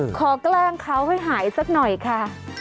แกล้งเขาให้หายสักหน่อยค่ะ